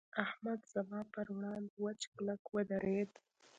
احمد زما پر وړاند وچ کلک ودرېد.